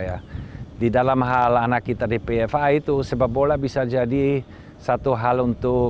yang dibangun oleh ptfi di tahun dua ribu dua puluh dua